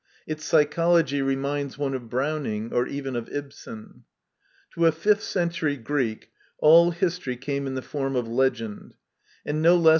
Its psychology reminds one of Browning, or even of Ibsen. To a fifth century Greek all history came in the form of legend; and no less